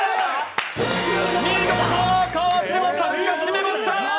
見事川島さんが締めました！